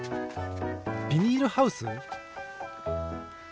ビニールハウス？